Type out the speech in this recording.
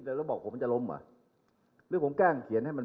แต่เดี๋ยวบอกผมมันจะลมอ่ะหรือผมแกล้งเขียนให้มัน